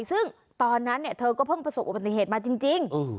จึงตอนนั้นเนี่ยเธอก็เพิ่งประสบบอุบัติเหตุมาจริงค์